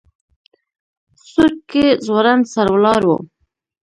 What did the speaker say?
سورکی ځوړند سر ولاړ و.